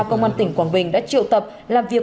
công an tp hcm đã triệu tập làm việc